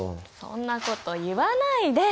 そんなこと言わないで。